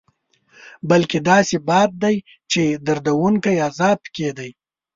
بلکې داسې باد دی چې دردوونکی عذاب پکې دی.